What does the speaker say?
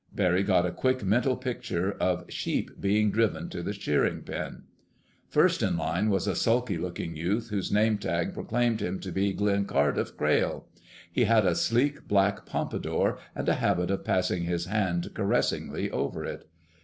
Barry got a quick mental picture of sheep being driven to the shearing pen. First in line was a sulky looking youth, whose name tag proclaimed him to be Glenn Cardiff Crayle. He had a sleek black pompadour, and a habit of passing his hand caressingly over it.